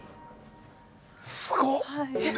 すごっ。